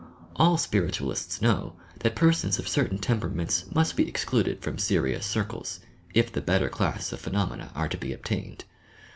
All Spiritualists know that persons of certain tempera ments must be excluded from serious circles, if the better class of phenomena are to be obtained.